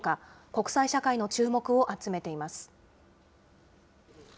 国際社会の注目を集めています。